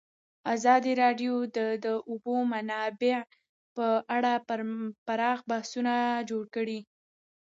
ازادي راډیو د د اوبو منابع په اړه پراخ بحثونه جوړ کړي.